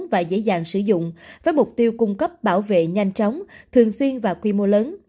không xâm lấn và dễ dàng sử dụng với mục tiêu cung cấp bảo vệ nhanh chóng thường xuyên và quy mô lớn